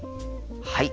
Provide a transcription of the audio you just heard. はい。